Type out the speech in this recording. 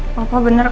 apa apa bener kok